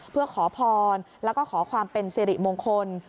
เพื่อขอพรแล้วก็ขอความเป็นสิริมงคล